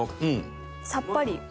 さっぱり。